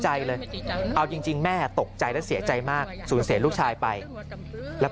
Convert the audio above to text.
ใจเลยเอาจริงแม่ตกใจและเสียใจมากสูญเสียลูกชายไปแล้วก็